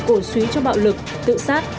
cổ suý cho bạo lực tự xác